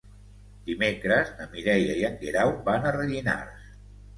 Dimecres na Mireia i en Guerau van a Rellinars.